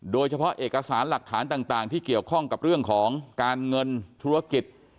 โดยเฉพาะเอกสารหลักฐานต่างที่เกี่ยวข้องกับเรื่องของการเงินธุรกิจ